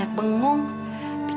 aku gak tahu